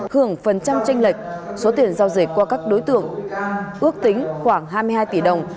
hưởng phần trăm tranh lệch số tiền giao dịch qua các đối tượng ước tính khoảng hai mươi hai tỷ đồng